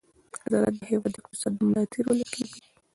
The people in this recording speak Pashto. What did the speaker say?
زراعت د هېواد د اقتصاد ملا تېر بلل کېږي.